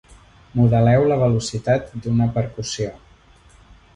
Modeleu la velocitat d'una percussió.